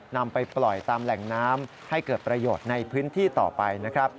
นำไปปล่อยตามแหล่งน้ำให้เกิดประโยชน์ในพื้นที่ต่อไปนะครับ